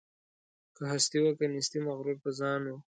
که هستي وه که نیستي مغرور په ځان وو